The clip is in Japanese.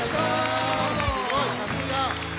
すごいさすが！